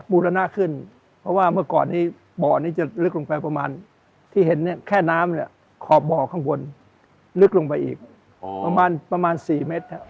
บูรณะขึ้นเพราะว่าเมื่อก่อนนี้บ่อนี้จะลึกลงไปประมาณที่เห็นเนี่ยแค่น้ำเนี่ยขอบบ่อข้างบนลึกลงไปอีกประมาณประมาณ๔เมตร